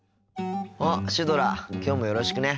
あっシュドラきょうもよろしくね。